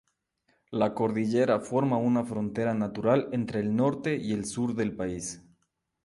La cordillera forma una frontera natural entre el norte y el sur del país.